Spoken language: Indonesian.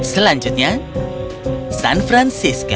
selanjutnya san francisco